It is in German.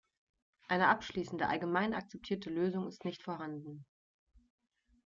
Eine abschließende, allgemein akzeptierte Lösung ist nicht vorhanden.